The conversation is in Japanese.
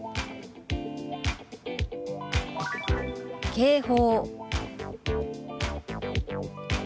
「警報」。